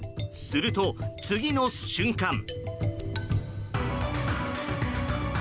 すると、次の瞬間。